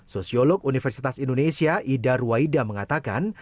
sosiolog universitas indonesia ida ruwaida mengatakan